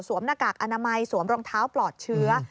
หน้ากากอนามัยสวมรองเท้าปลอดเชื้อ